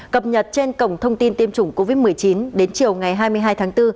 cập nhật trên cổng thông tin tiêm chủng covid một mươi chín đến chiều ngày hai mươi hai tháng bốn